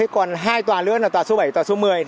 còn hai tòa nữa là tòa số bảy và số một mươi